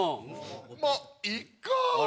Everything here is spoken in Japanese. まっいっか。